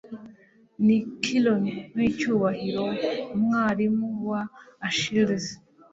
ni Chiron w'icyubahiro umwarimu wa Achilles